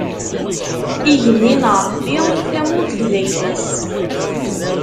Igenni n Ṛebbi, tamurt d ayla-s.